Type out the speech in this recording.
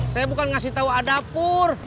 saya bukan ngasih tahu ada pur